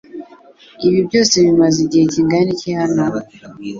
Ibi byose bimaze igihe kingana iki hano?